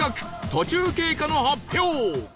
途中経過の発表